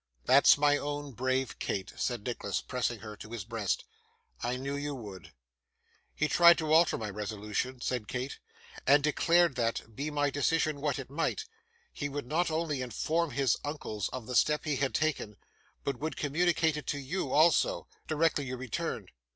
'That's my own brave Kate!' said Nicholas, pressing her to his breast. 'I knew you would.' 'He tried to alter my resolution,' said Kate, 'and declared that, be my decision what it might, he would not only inform his uncles of the step he had taken, but would communicate it to you also, directly you returned.